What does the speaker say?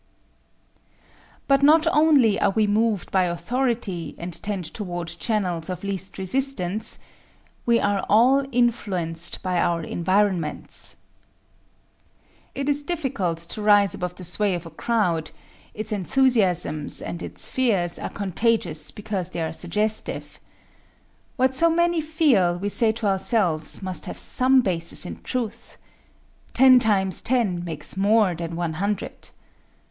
But, not only are we moved by authority, and tend toward channels of least resistance: We are all influenced by our environments. It is difficult to rise above the sway of a crowd its enthusiasms and its fears are contagious because they are suggestive. What so many feel, we say to ourselves, must have some basis in truth. Ten times ten makes more than one hundred.